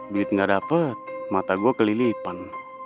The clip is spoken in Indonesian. duit gak dapet mata gua kelilipan